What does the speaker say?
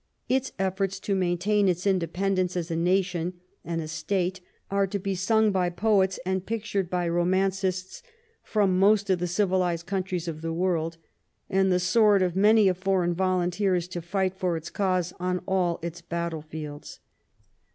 Its efforts to maintain its independence as a nation and a state are to be sung by poets and pictured by roman cists from most of the civilized countries of the world, and the sword of many a foreign volunteer is to fight for its cause on all its battle fields.